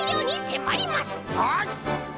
はい！